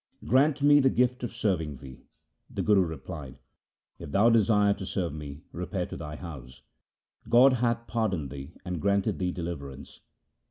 Grant me the gift of serving thee.' The Guru replied, ' If thou desire to serve me, repair to thy house ; God hath pardoned thee and granted thee deliverance.'